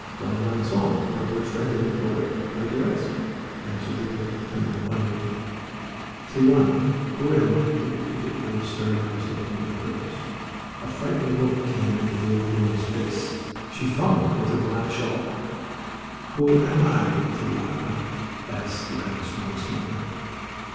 "Don Ransom, our good friend and employer. Why do you ask?" answered the old woman wonderingly. "Tia Juana, who am I?" he repeated, with his stern eyes looking into hers. A frightened look came in the old woman's face. She fumbled with her black shawl. "Who am I, Tia Juana?" said Ranse once more.